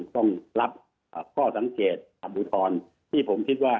ต้องรับข้อสังเกตคำอุทธรณ์ที่ผมคิดว่า